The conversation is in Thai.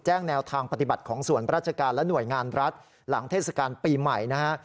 แนวทางปฏิบัติของส่วนราชการและหน่วยงานรัฐหลังเทศกาลปีใหม่นะฮะ